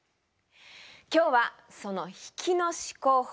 今日はその引きの思考法